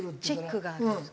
チェックがある。